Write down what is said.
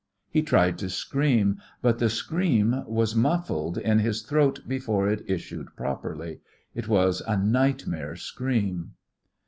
He tried to scream, but the scream was muffled in his throat before it issued properly; it was a nightmare scream.